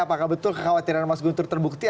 apakah betul kekhawatiran mas guntur terbukti